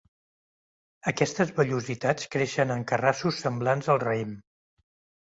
Aquestes vellositats creixen en carrassos semblants al raïm.